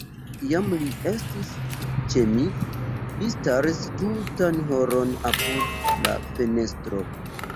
Kiam li estis ĉe mi, li staris tutan horon apud la fenestro.